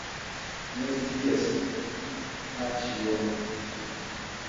Mi ne scias, paĉjo.